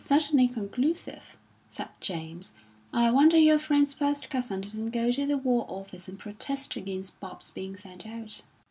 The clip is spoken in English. "It is certainly conclusive," said James. "I wonder your friend's first cousin didn't go to the War Office and protest against Bobs being sent out."